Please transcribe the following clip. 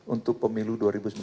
untuk pemilu dua ribu sembilan belas